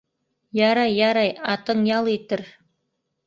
Ярай, ярай, атың ял итер!